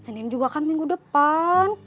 senin juga kan minggu depan